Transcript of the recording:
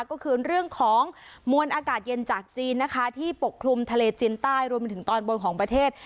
ก็คือเรื่องของมวลอากาศเย็นจากจีนนะคะที่ปกคลุมทะเลจีนใต้รวมไปถึงตอนบนของประเทศ